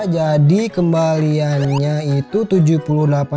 jadi kembaliannya itu rp tujuh puluh delapan tujuh ratus lima puluh